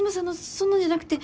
そんなんじゃなくて。